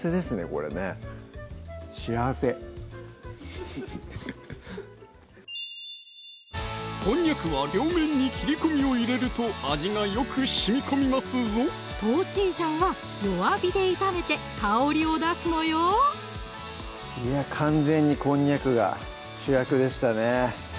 これね幸せこんにゃくは両面に切り込みを入れると味がよくしみこみますぞ豆醤は弱火で炒めて香りを出すのよいや完全にこんにゃくが主役でしたね